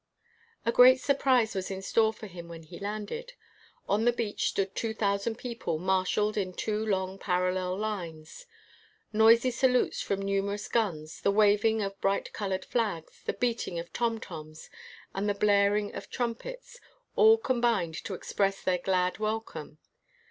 A great surprise was in store for him when he landed. On the beach stood two thousand people marshaled in two long parallel lines. Noisy salutes from numer ous guns, the waving of bright colored flags, the beating of tom toms, and the blaring of trumpets, all combined to express their glad welcome.